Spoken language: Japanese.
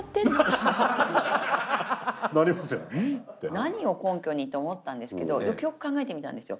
何を根拠にと思ったんですけどよくよく考えてみたんですよ。